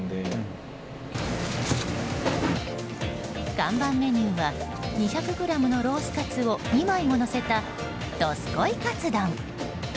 看板メニューは２００ｇのロースカツを２枚ものせた、どすこいカツ丼。